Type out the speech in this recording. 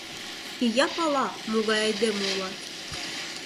Ия пала, могай айдеме улат.